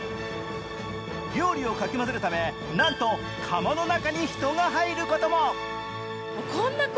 料理をかき混ぜるためなんと釜の中に人が入ることも。